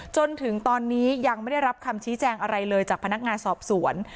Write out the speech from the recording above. จนถึงตอนนี้ยังไม่ได้รับคำชี้แจงอะไรเลยจากพนักงานสอบสวน